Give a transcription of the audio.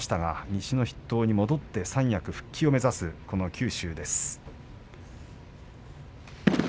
西の筆頭に戻って三役復帰を目指します。